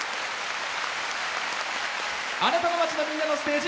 あなたの街の、みんなのステージ